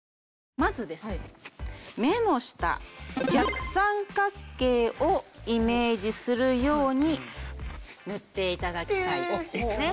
まずですね目の下逆三角形をイメージするように塗って頂きたいんですね。